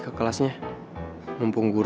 pak saya mau ke